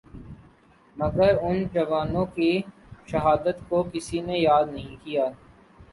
مگر ان جوانوں کی شہادت کو کسی نے یاد نہیں کیا